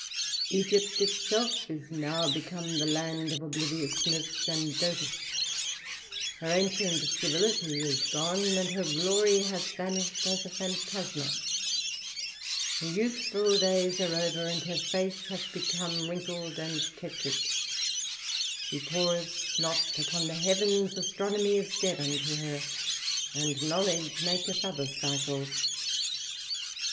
Egypt itself is now become the land of obliviousness, and doteth. Her ancient civility is gone, and her glory hath vanished as a phantasma. Her youthful days are over, and her face hath become wrinkled and tetric. She poreth not upon the heavens; astronomy is dead unto her, and knowledge maketh other cycles.